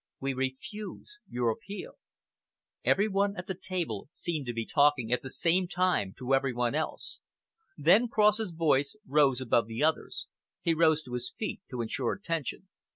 We refuse your appeal." Every one at the table seemed to be talking at the same time to every one else. Then Cross's voice rose above the others. He rose to his feet to ensure attention.